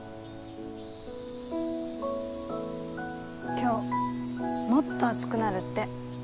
今日もっと暑くなるって。